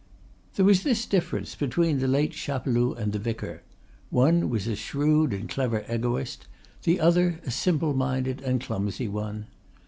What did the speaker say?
There was this difference between the late Chapeloud and the vicar, one was a shrewd and clever egoist, the other a simple minded and clumsy one.